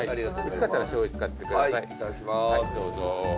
薄かったらしょうゆ使ってください。